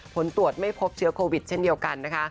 ผลตรวจไม่พบเชื้อโควิดเช่นเดียวกันนะคะ